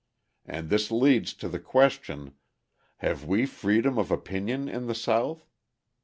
And this leads to the question: Have we freedom of opinion in the South?